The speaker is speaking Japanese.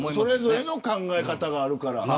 それぞれの考え方があるから。